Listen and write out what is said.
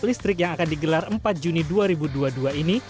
listrik yang akan digelar empat juni dua ribu dua puluh dua ini